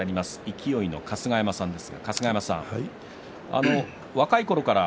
勢の春日山さんです。